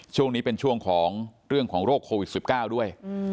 ช่วงนี้เป็นช่วงของเรื่องของโรคโควิด๑๙ด้วย